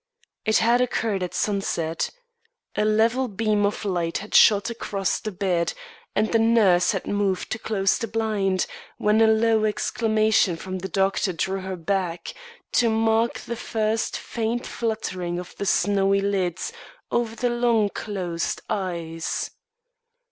It had occurred at sunset. A level beam of light had shot across the bed, and the nurse had moved to close the blind, when a low exclamation from the doctor drew her back, to mark the first faint fluttering of the snowy lids over the long closed eyes.